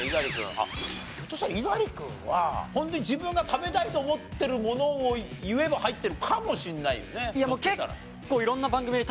あっひょっとしたら猪狩君はホントに自分が食べたいと思ってるものを言えば入ってるかもしれないよねひょっとしたら。